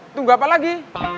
tunggu apa lagi